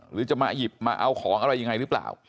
หรือจะมาหยิบมาเอาของอะไรยังไงหรือเปล่า